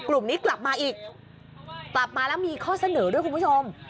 กลุ่มนี้กลับมาอีกกลับมาแล้วมีข้อเสนอด้วยคุณผู้ชม